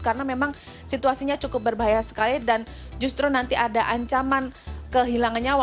karena memang situasinya cukup berbahaya sekali dan justru nanti ada ancaman kehilangan nyawa